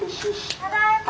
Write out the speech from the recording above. ・ただいま。